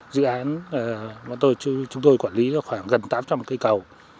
dự án chúng tôi quản lý khoảng gần tám trăm linh cây cầu